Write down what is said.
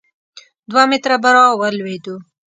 دوه متره به را ولوېدو.